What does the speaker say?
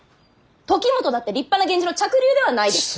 時元だって立派な源氏の嫡流ではないですか。